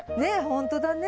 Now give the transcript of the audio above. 本当だね。